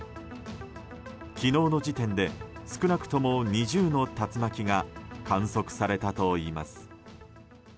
昨日の時点で少なくとも２０の竜巻が観測されたといいます。